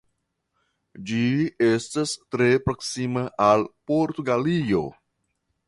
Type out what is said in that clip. Ĝi estas tre proksima al Portugalio.